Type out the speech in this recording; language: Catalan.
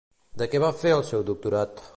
De què va fer el seu doctorat?